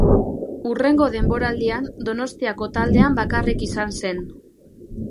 Hurrengo denboraldian Donostiako taldean bakarrik izan zen.